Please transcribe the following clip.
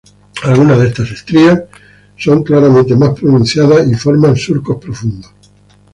Algunas de estas estrías son claramente más pronunciadas y forman surcos profundos.